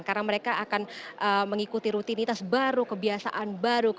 karena mereka akan mengikuti rutinitas baru kebiasaan baru